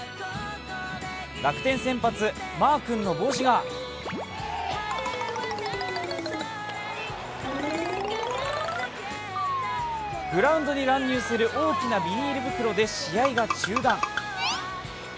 楽天先発・マー君の帽子がグラウンドに乱入する大きなビニール袋で試合が中断。